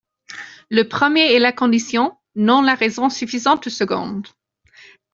Le premier est la condition, non la raison suffisante du second.